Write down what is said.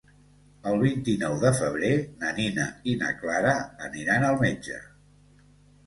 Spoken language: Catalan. El vint-i-nou de febrer na Nina i na Clara aniran al metge.